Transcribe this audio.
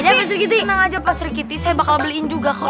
ya tapi tenang aja pasur kitih saya bakal beliin juga kok